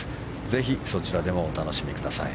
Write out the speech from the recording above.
ぜひ、そちらでもお楽しみください。